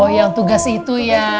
yang tugas itu ya